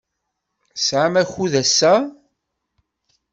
Tesɛamt akud ass-a?